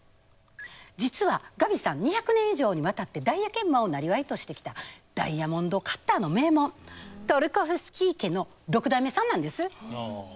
実はガビさん２００年以上にわたってダイヤ研磨をなりわいとしてきたダイヤモンドカッターの名門トルコフスキー家の６代目さんなんです。